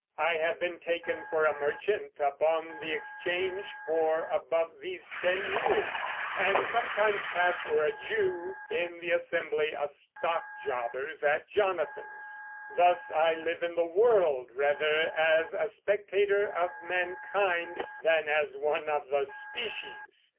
I have been taken for a merchant upon the Exchange for above these ten years; and sometimes pass for a Jew in the assembly of stock jobbers at Jonathan's.... Thus I live in the world rather as a spectator of mankind than as one of the species